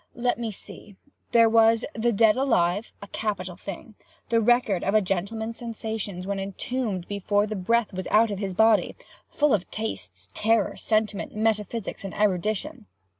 Let me see. There was 'The Dead Alive,' a capital thing!—the record of a gentleman's sensations when entombed before the breath was out of his body—full of tastes, terror, sentiment, metaphysics, and erudition.